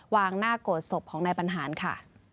วางหน้าโกรธศพของนายบรรหารค่ะ